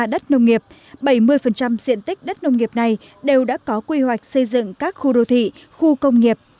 trong đó chỉ còn khoảng một trăm chín mươi hectare đất nông nghiệp bảy mươi diện tích đất nông nghiệp này đều đã có quy hoạch xây dựng các khu đô thị khu công nghiệp